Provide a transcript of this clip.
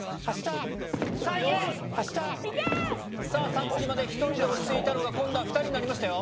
さっきまで１人で押していたのが今度は２人になりましたよ